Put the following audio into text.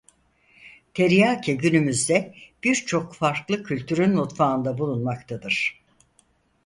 Teriyaki günümüzde birçok farklı kültürün mutfağında bulunmaktadır.